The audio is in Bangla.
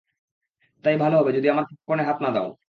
তাই ভালো হবে যদি আমার পপকর্নে হাত না দাও।